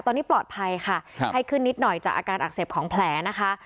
ตอนนี้ปลอดภัยค่ะให้ขึ้นนิดหน่อยจากอาการอักเสบของแผลนะคะ